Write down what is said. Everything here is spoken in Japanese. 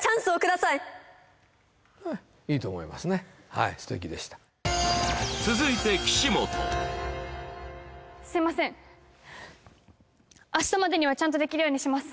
はい素敵でした続いて岸本すみません明日までにはちゃんとできるようにします